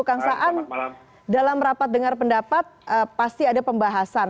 kang saan dalam rapat dengar pendapat pasti ada pembahasan